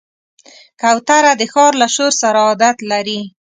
کوتره د ښار له شور سره عادت لري.